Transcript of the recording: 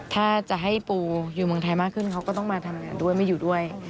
ถ้าจะให้ปูอยู่เมืองไทยมากขึ้นเขาก็ต้องมาทำงานด้วยไม่อยู่ด้วย